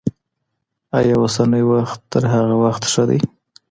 آيا اوسنی وخت تر هغه وخت ښه دی؟